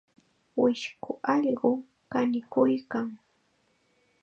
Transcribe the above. Wisku allqu kanikuykan.